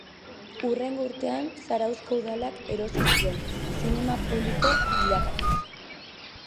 Hurrengo urtean Zarauzko udalak erosi zuen, zinema publiko bilakatuz.